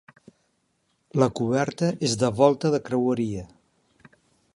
La coberta és de volta de creueria.